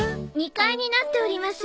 ２階になっております。